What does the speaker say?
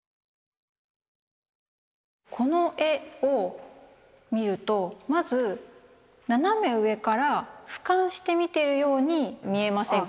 この絵を見るとまず斜め上から俯瞰して見てるように見えませんか？